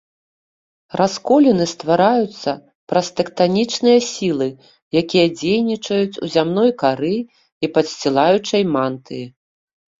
Расколіны ствараюцца праз тэктанічныя сілы, якія дзейнічаюць у зямной кары і падсцілаючай мантыі.